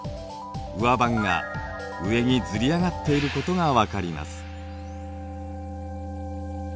上盤が上にずり上がっていることが分かります。